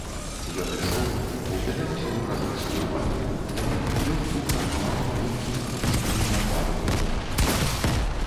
Ён ішоў, углядаўся ў празрыстую ваду, якую злёгку карбаваў маленькі, нячутны для твару ветрык.